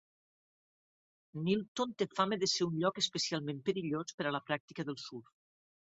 Niton té fama de ser un lloc especialment perillós per a la pràctica del surf.